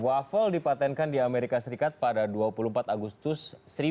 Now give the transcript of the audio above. waffle dipatenkan di amerika serikat pada dua puluh empat agustus seribu sembilan ratus empat puluh